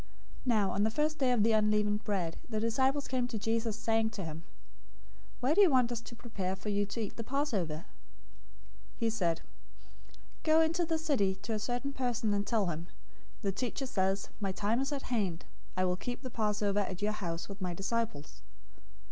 026:017 Now on the first day of unleavened bread, the disciples came to Jesus, saying to him, "Where do you want us to prepare for you to eat the Passover?" 026:018 He said, "Go into the city to a certain person, and tell him, 'The Teacher says, "My time is at hand. I will keep the Passover at your house with my disciples."'"